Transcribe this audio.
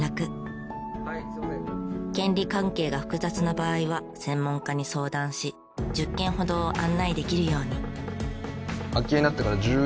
権利関係が複雑な場合は専門家に相談し１０軒ほどを案内できるように。